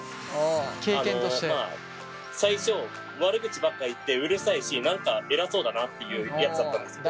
最初悪口ばっか言ってうるさいし何か偉そうだなっていうやつだったんですけど。